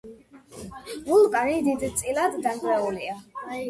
ვულკანი დიდწილად დანგრეულია.